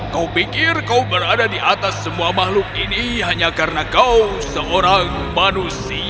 kau pikir kau berada di atas semua makhluk ini hanya karena kau seorang manusia